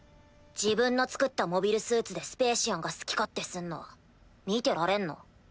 自分の造ったモビルスーツでスペーシアンが好き勝手すんの見てられんの？